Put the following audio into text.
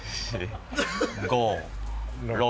５・６。